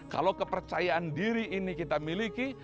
kalau kepercayaan diri ini kita miliki